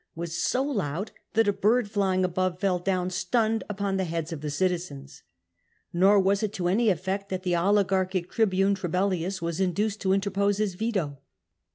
was so loud that a bird flying above fell down stunned upon the heads of the citizens. Nor was it to any effect that the oligarchic tribune Trebellius was induced to interpose his veto.